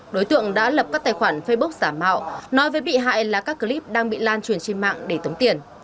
đối tượng đã lập các tài khoản facebook giả mạo nói với bị hại là các clip đang bị lan truyền trên mạng để tống tiền